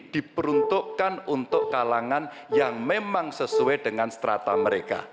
diperuntukkan untuk kalangan yang memang sesuai dengan strata mereka